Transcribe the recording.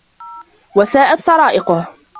وَسَاءَتْ طَرَائِقُهُ